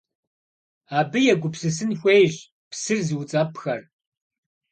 Абы егупсысын хуейщ псыр зыуцӀэпӀхэр.